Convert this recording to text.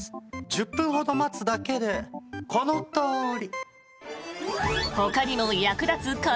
１０分ほど待つだけでこのとおり。